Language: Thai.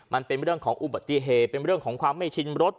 มันเป็นเรื่องของอุบัติเหตุเป็นเรื่องของความไม่ชินรถ